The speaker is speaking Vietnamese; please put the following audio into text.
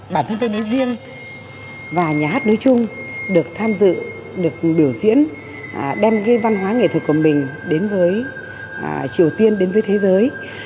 bản thân tôi nói riêng và nhà hát nói chung được tham dự được biểu diễn đem cái văn hóa nghệ thuật của mình đến với triều tiên đến với thế giới